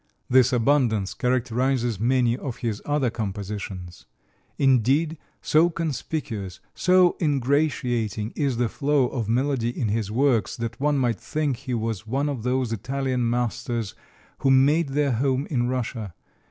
This abundance characterizes many of his other compositions. Indeed, so conspicuous, so ingratiating, is the flow of melody in his works, that one might think he was one of those Italian masters who made their home in Russia.